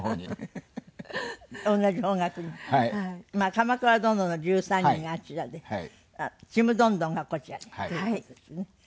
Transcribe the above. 『鎌倉殿の１３人』があちらで『ちむどんどん』がこちらでという事ですね。